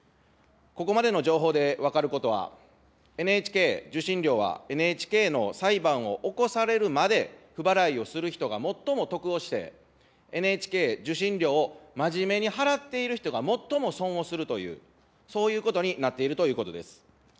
ここまでの情報で分かることは、ＮＨＫ受信料は、ＮＨＫの裁判を起こされるまで不払いをする人が最も得をして、ＮＨＫ受信料を真面目に払っている人が最も損をするという、そういうことになっているということです。